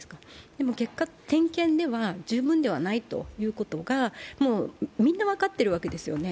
でも結果、点検では十分ではないということがもうみんな分かっているわけですよね。